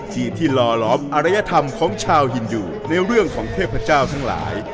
ที่รอล้อมอารยธรรมของชาวฮินอยู่ในเรื่องของเทพเจ้าทั้งหลาย